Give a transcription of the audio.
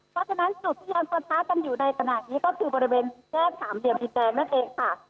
เพราะฉะนั้นจุดที่ยังปะทะกันอยู่ในขณะนี้ก็คือบริเวณแยกสามเหลี่ยมดินแดงนั่นเองค่ะ